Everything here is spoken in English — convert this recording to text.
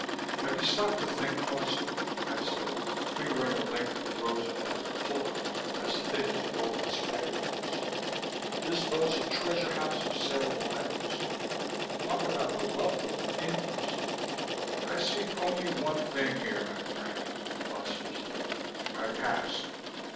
"Have you stopped to think, Foster," I said, fingering a length of rose violet cloth as thin as woven spider webs. "This boat's a treasure house of salable items. Talk about the wealth of the Indies " "I seek only one thing here, my friend," Foster said; "my past."